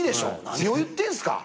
何を言ってんすか。